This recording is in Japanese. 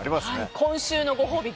今週のご褒美